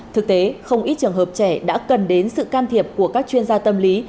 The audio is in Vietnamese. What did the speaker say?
thực tế không ít trường hợp trẻ đã cần đến sự can thiệp của các chuyên gia tâm lý